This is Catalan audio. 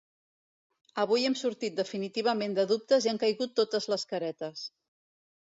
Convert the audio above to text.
Avui hem sortit definitivament de dubtes i han caigut totes les caretes.